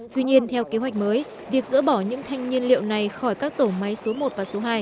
tuy nhiên theo kế hoạch mới việc dỡ bỏ những thanh nhiên liệu này khỏi các tổ máy số một và số hai